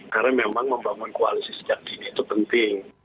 karena memang membangun koalisi sejak kini itu penting